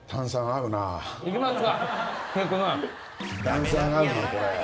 炭酸合うなこれ。